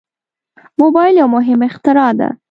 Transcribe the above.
موبایل یو مهم اختراع ده.